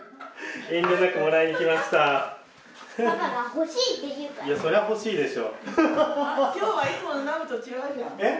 いやそりゃほしいでしょ。